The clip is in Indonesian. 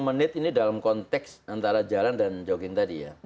lima menit ini dalam konteks antara jalan dan jogging tadi ya